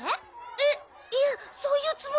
えっいやそういうつもりじゃ。